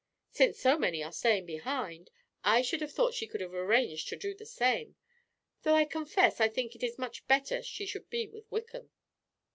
"Since so many are staying behind, I should have thought she could have arranged to do the same; though I confess I think it is much better she should be with Wickham."